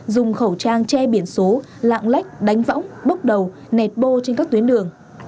dùng khẩu trang che biển số lạng lách đánh võng bốc đầu nẹt bô trên các tuyến đường